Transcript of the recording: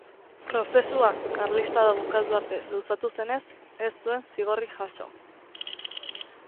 Prozesua karlistada bukatu arte luzatu zenez, ez zuen zigorrik jaso.